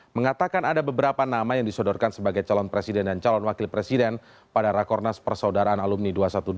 mengatakan ada beberapa nama yang disodorkan sebagai calon presiden dan calon wakil presiden pada rakornas persaudaraan alumni dua ratus dua belas